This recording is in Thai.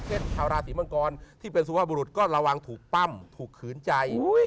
ชาวราศีมังกรที่เป็นสุภาพบุรุษก็ระวังถูกปั้มถูกขืนใจ